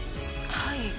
はい。